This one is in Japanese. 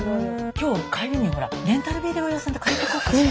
今日帰りにほらレンタルビデオ屋さんで借りていこうかしら。